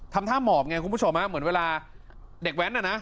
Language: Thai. ทำท่าหมอบไงคุณผู้ชมฮะเหมือนเวลาเด็กแว้นน่ะนะ